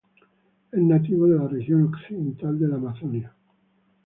Es nativo de la región occidental de la Amazonia.